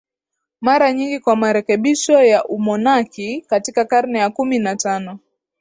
mara nyingi kwa marekebisho ya umonaki Katika karne ya kumi na tano